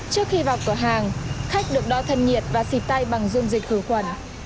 trước khi vào cửa hàng khách được đo thân nhiệt và xịt tay bằng dung dịch khử khuẩn